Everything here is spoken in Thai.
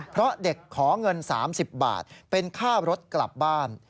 เพราะเด็กขอเงิน๓๐บาทเป็นค่ารถกลับบ้าน